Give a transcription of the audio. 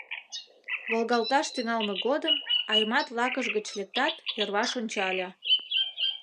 Волгалташ тӱҥалме годым Аймат лакыж гыч лектат, йырваш ончале: